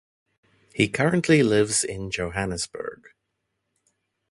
He currently lives in Johannesburg.